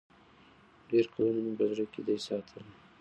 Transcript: ډېر کلونه مي په زړه کي دی ساتلی